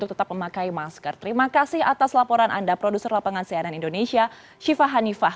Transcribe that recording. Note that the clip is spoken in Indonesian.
terima kasih atas laporan anda produser lapangan sehat dan indonesia syifa hanifah